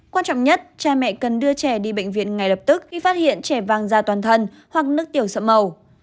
quan trọng nhất cha mẹ cần đưa trẻ đi bệnh viện ngay lập tức khi phát hiện trẻ vàng ra toàn thân hoặc nước tiểu sậm màu